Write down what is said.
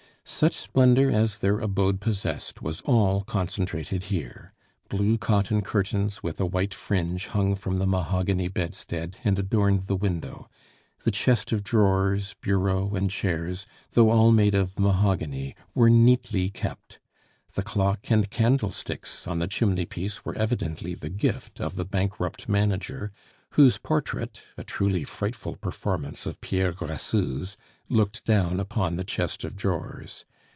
Such splendor as their abode possessed was all concentrated here. Blue cotton curtains with a white fringe hung from the mahogany bedstead, and adorned the window; the chest of drawers, bureau, and chairs, though all made of mahogany, were neatly kept. The clock and candlesticks on the chimneypiece were evidently the gift of the bankrupt manager, whose portrait, a truly frightful performance of Pierre Grassou's, looked down upon the chest of drawers.